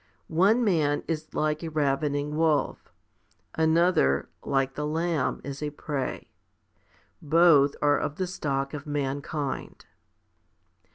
One man is like a ravening wolf; another, like the lamb, is a prey. Both are of the stock of mankind.